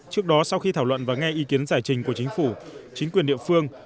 trước đó sau khi thảo luận và nghe ý kiến giải trình của chính phủ chính quyền địa phương